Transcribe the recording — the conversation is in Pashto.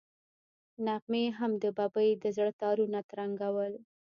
نغمې هم د ببۍ د زړه تارونه ترنګول.